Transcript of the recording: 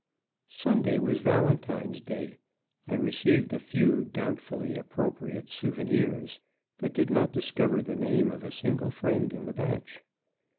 Sunday was Valentine's Day. I received a few doubtfully appropriate souvenirs, but did not discover the name of a single friend in the batch.